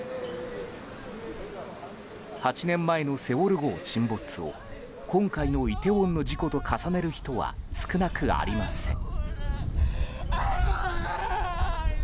８年前の「セウォル号」沈没を今回のイテウォンの事故と重ねる人は少なくありません。